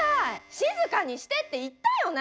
静かにしてって言ったよね！